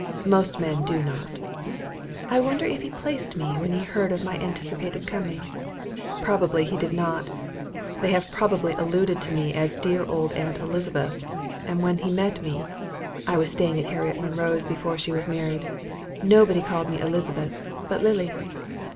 Most men do not. I wonder if he placed me when he heard of my anticipated coming. Probably he did not. They have probably alluded to me as dear old Aunt Elizabeth, and when he met me (I was staying at Harriet Munroe's before she was married) nobody called me Elizabeth, but Lily.